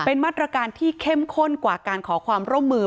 เป็นมาตรการที่เข้มข้นกว่าการขอความร่วมมือ